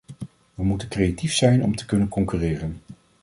We moeten creatief zijn om te kunnen concurreren.